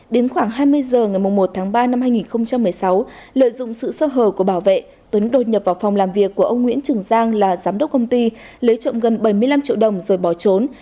đến khoảng hai mươi h ngày một tháng ba năm hai nghìn một mươi sáu lợi dụng sự sơ hở của bảo vệ tuấn đột nhập vào phòng làm việc của ông nguyễn trường giang là giám đốc công ty lấy trộm gần bảy mươi năm triệu đồng rồi bỏ trốn